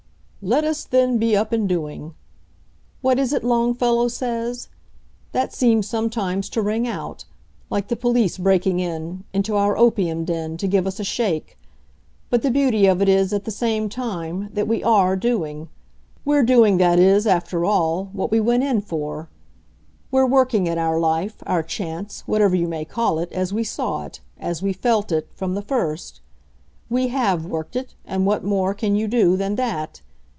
'Let us then be up and doing' what is it Longfellow says? That seems sometimes to ring out; like the police breaking in into our opium den to give us a shake. But the beauty of it is, at the same time, that we ARE doing; we're doing, that is, after all, what we went in for. We're working it, our life, our chance, whatever you may call it, as we saw it, as we felt it, from the first. We HAVE worked it, and what more can you do than that?